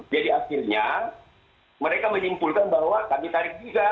jadi akhirnya mereka menyimpulkan bahwa kami tarik juga